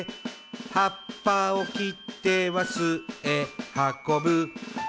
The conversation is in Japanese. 「葉っぱを切っては巣へはこぶ」